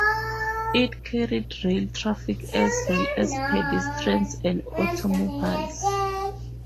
It carried rail traffic as well as pedestrians and automobiles.